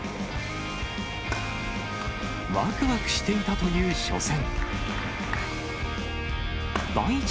わくわくしていたという初戦。